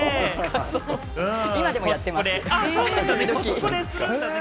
今でもやってます、時々。